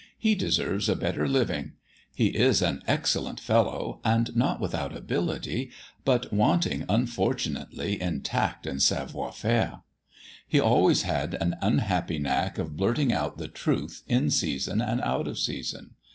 He deserves a better living. He is an excellent fellow, and not without ability, but wanting, unfortunately, in tact and savoir faire. He always had an unhappy knack of blurting out the truth in season and out of season.